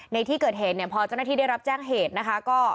ในที่เกิดเหตุเนี่ยพอเจ้าหน้าที่ได้รับแจ้งเหตุนะคะ